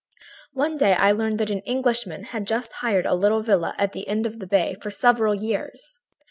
"One day I learned that an Englishman had just hired a little villa at the end of the bay for several years.